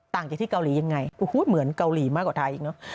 ต่างจากที่เกาหลียังไงเหมือนเกาหลีมากกว่าไทยเนอะ